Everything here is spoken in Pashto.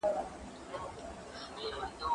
زه اجازه لرم چي کالي وپرېولم!؟